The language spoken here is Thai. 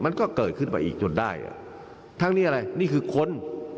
มันก็เกิดขึ้นไปอีกจนได้อ่ะทั้งนี้อะไรนี่คือคน